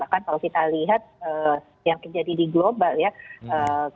bahkan kalau kita lihat yang terjadi di global kita bisa menahan sampai dengan angka puncak